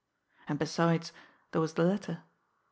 And, besides, there was the letter!